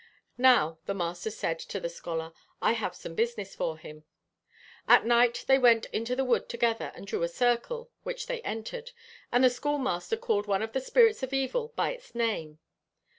'Now,' the master said to the scholar, 'I have some business for him.' At night they went into the wood together and drew a circle, which they entered, and the schoolmaster called one of the spirits of evil by its name.